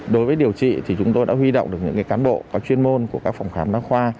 đối với điều trị thì chúng tôi đã huy động được những cán bộ có chuyên môn của các phòng khám đa khoa